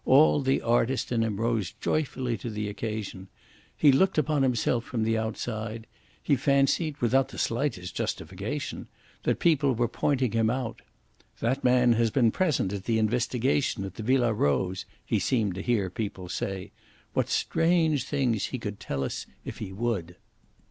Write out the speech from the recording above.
All the artist in him rose joyfully to the occasion. He looked upon himself from the outside. He fancied without the slightest justification that people were pointing him out. "That man has been present at the investigation at the Villa Rose," he seemed to hear people say. "What strange things he could tell us if he would!"